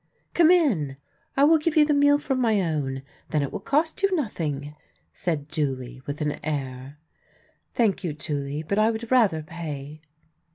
" Come in. I will give you the meal from my own. Then it will cost you nothing," said Julie, with an air. " Thank you, Julie, but I would rather pay."